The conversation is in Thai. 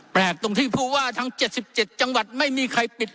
แปลกตรงที่ผู้ว่าทั้งเจ็ดสิบเจ็ดจังหวัดไม่มีใครปิด